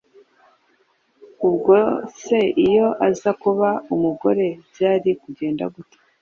Ubwose iyo aza kuba umugore byari kugenda gute